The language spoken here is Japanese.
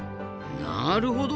なるほど。